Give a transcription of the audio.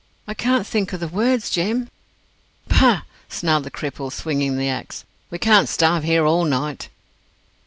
"I can't think o' the words, Jem!" "Pah," snarled the cripple, swinging the axe, "we can't starve here all night."